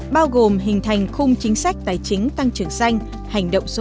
bao gồm hình thành khung chính sách tài chính tăng trưởng xanh